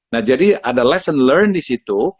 nah jadi ada lesson learn disitu